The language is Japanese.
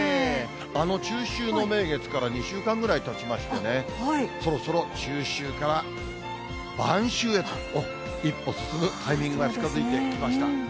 あの中秋の名月から２週間ぐらいたちましてね、そろそろ中秋から晩秋へと一歩進むタイミングが近づいてきました。